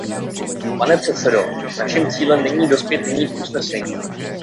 Pane předsedo, našim cílem není dospět nyní k usnesení.